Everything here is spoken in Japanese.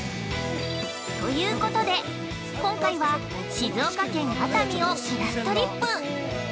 ◆ということで、今回は静岡県・熱海をぷらっとりっぷ！